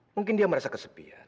mungkin dia merasa kesepian